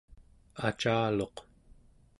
acaluq